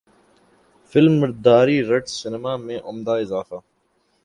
film Madari رٹ cinema میں عمدہ اضافہ